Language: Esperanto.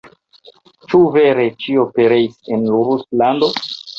Ĉu vere, ĉio pereis en Ruslando?